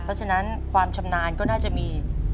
เพราะฉะนั้นความชำนาญก็น่าจะมี